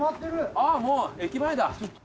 ああもう駅前だ。